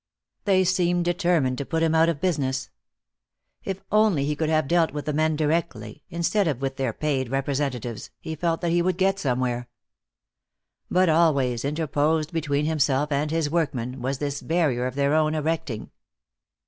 They seemed determined to put him out of business. If only he could have dealt with the men directly, instead of with their paid representatives, he felt that he would get somewhere. But always, interposed between himself and his workmen, was this barrier of their own erecting.